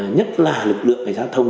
nhất là lực lượng cảnh sát thông